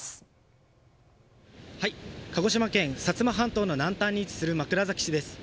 薩摩半島の南端に位置する枕崎市です。